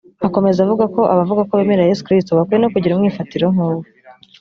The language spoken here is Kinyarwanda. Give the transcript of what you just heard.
Akomeza avuga ko abavuga ko bemera Yesu Kristo bakwiye no kugira umwifato nk’uwe